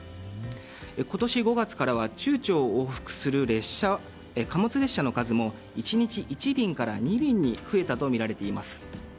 今年５月からは中朝を往復する貨物列車の数も１日１便から２便に増えたとみられています。